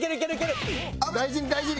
大事に大事に。